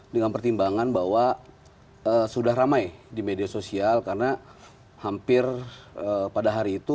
dengan pertimbangan bahwa sudah ramai di media sosial karena hampir pada hari itu